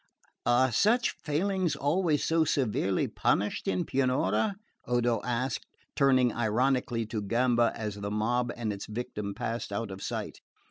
"Are such failings always so severely punished in Pianura?" Odo asked, turning ironically to Gamba as the mob and its victim passed out of sight.